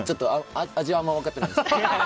味はあんま分かってないですけど。